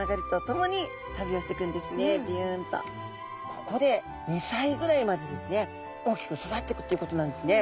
ここで２歳ぐらいまでですね大きく育っていくということなんですね。